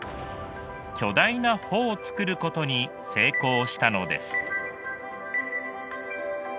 巨大な帆を作ることに成功したのです。